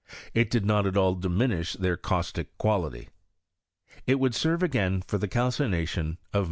It did not at all diminish their caustic quality. 5. It would serve again for the calcination at 6.